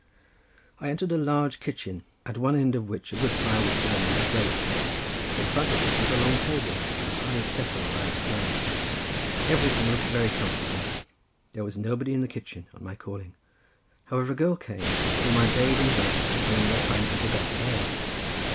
I entered a large kitchen, at one end of which a good fire was burning in a grate, in front of which was a long table, and a high settle on either side. Everything looked very comfortable. There was nobody in the kitchen: on my calling, however, a girl came whom I bade in Welsh to bring me a pint of the best ale.